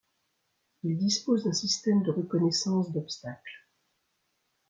Il dispose d'un système de reconnaissance d'obstacle.